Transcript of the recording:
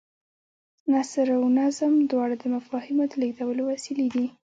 نثر او نظم دواړه د مفاهیمو د لېږدولو وسیلې دي.